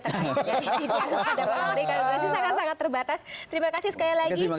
terima kasih sekali lagi